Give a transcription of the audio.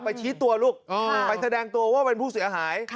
ชี้ตัวลูกไปแสดงตัวว่าเป็นผู้เสียหาย